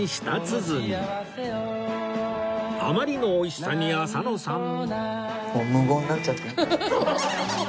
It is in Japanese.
あまりの美味しさに浅野さん